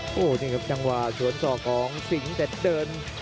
โอ้โหนี่ครับจังหวะสวนศอกของสิงห์เด็ดเดิน